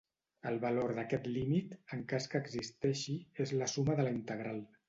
El valor d'aquest límit, en cas que existeixi, és la suma de la integral.